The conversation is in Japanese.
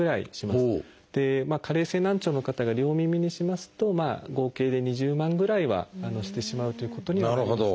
加齢性難聴の方が両耳にしますと合計で２０万ぐらいはしてしまうということにはなります。